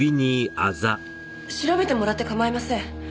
調べてもらって構いません。